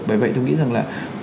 bởi vậy tôi nghĩ rằng là